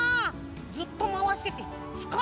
ずっとまわしててつかれないのかな？